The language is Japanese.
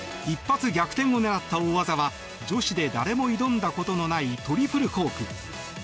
一発逆転を狙った大技は女子で誰も挑んだことのないトリプルコーク！